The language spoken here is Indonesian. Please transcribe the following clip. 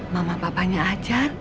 mama bapaknya ajat